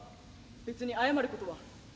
「別に謝ることは」。